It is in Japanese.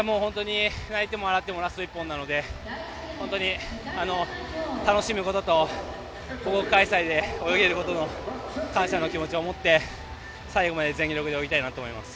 泣いても笑ってもラスト１本なので楽しむことと自国開催で泳げることの感謝の気持ちをもって最後まで全力で泳ぎたいと思います。